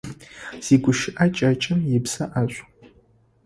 Зигущыӏэ кӏэкӏым ыбзэ ӏэшӏу.